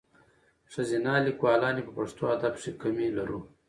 ښځینه لیکوالاني په پښتو ادب کښي کمي لرو.